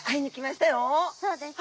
そうですね。